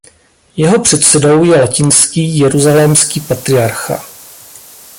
Jeho předsedou je latinský jeruzalémský patriarcha.